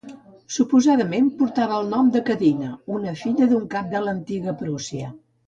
Suposadament portava el nom de Cadina, una filla d'un cap de l'antiga Prússia.